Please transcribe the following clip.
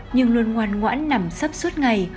nhưng luôn ngoan ngoãn nằm sắp suốt ngày